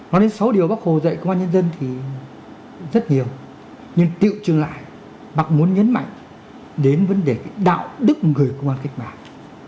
nói đến sáu điều bác hồ dạy công an nhân dân thì rất nhiều nhưng tự chứng lại bác muốn nhấn mạnh đến vấn đề đạo đức người công an cách mạng